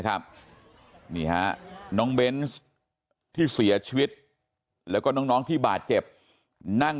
ครับนี่ฮะน้องเบนส์ที่เสียชีวิตแล้วก็น้องที่บาดเจ็บนั่ง